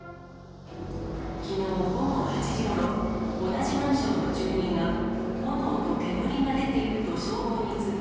きのう午後８時ごろ、同じマンションの住人が炎と煙が出ていると消防に通報。